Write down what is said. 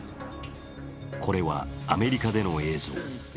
これはアメリカでの映像。